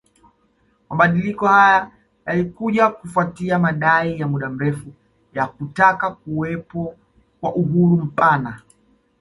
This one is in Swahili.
Mabadiliko haya yalikuja kufuatia madai ya muda mrefu ya kutaka kuwepo kwa uhuru mpana